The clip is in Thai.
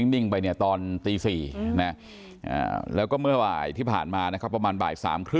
นิ่งไปตอนตี๔แล้วก็เมื่อวายที่ผ่านมาประมาณบ่าย๓๓๐